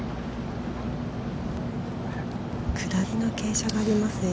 ◆下りの傾斜がありますね。